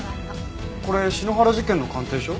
これ篠原事件の鑑定書？